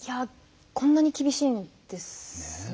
こんなに厳しいんですね。